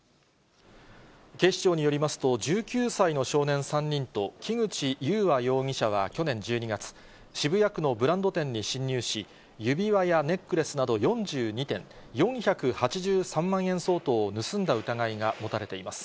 警視庁によりますと、１９歳の少年３人と木口悠和容疑者は去年１２月、渋谷区のブランド店に侵入し、指輪やネックレスなど４２点、４８３万円相当を盗んだ疑いが持たれています。